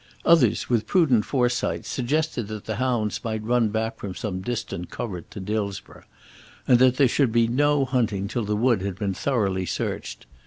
Others, with prudent foresight, suggested that the hounds might run back from some distant covert to Dillsborough, and that there should be no hunting till the wood had been thoroughly searched.